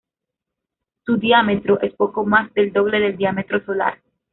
Su diámetro es poco más del doble del diámetro solar.